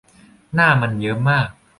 หน้ามันเยิ้มมาก